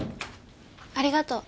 ありがとう。